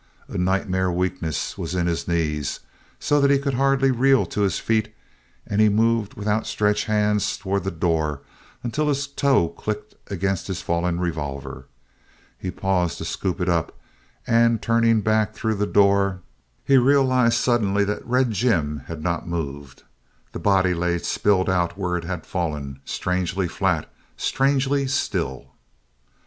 A nightmare weakness was in his knees so that he could hardly reel to his feet and he moved with outstretched hands towards the door until his toe clicked against his fallen revolver. He paused to scoop it up and turning back through the door, he realized suddenly that Red Jim had not moved. The body lay spilled out where it had fallen, strangely flat, strangely still.